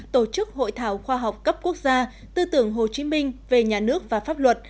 tổ chức hội thảo khoa học cấp quốc gia tư tưởng hồ chí minh về nhà nước và pháp luật